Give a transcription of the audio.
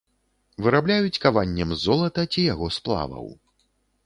Вырабляюць каваннем з золата ці яго сплаваў.